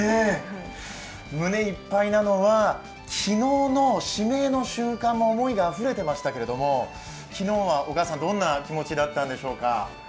昨日の指名の瞬間も思いがあふれてましたが、昨日はお母さん、どんな気持ちだったんでしょうか？